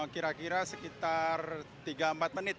kira kira sekitar tiga empat menit